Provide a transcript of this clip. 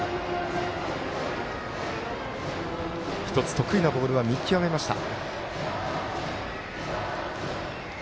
得意なボールは見極めました。